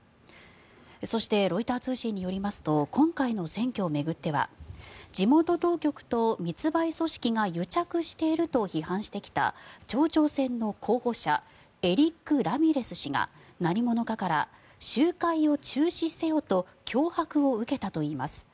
そしてロイター通信によりますと今回の選挙を巡っては地元当局と密売組織が癒着していると批判してきた町長選の候補者エリック・ラミレス氏が何者かから集会を中止せよと脅迫を受けたといいます。